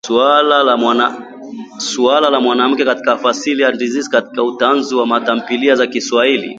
suala la mwanamke katika fasihi andishi katika utanzu wa tamthilia za Kiswahili